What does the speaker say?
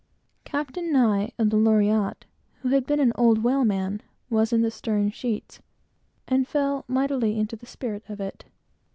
Captain Nye, of the Loriotte, who had been an old whaleman, was in the stern sheets, and fell mightily into the spirit of it.